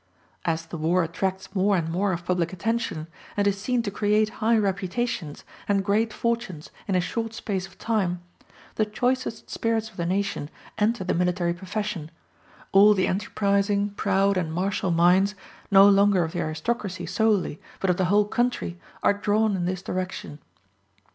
As the war attracts more and more of public attention, and is seen to create high reputations and great fortunes in a short space of time, the choicest spirits of the nation enter the military profession: all the enterprising, proud, and martial minds, no longer of the aristocracy solely, but of the whole country, are drawn in this direction.